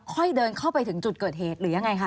ค่อยเดินเข้าไปถึงจุดเกิดเหตุหรือยังไงคะ